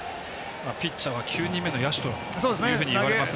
ピッチャーは９人目の野手といわれますが。